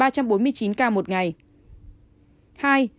sáu ba trăm bốn mươi chín ca một ngày